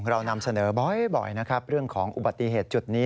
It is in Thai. เรานำเสนอบ่อยนะครับเรื่องของอุบัติเหตุจุดนี้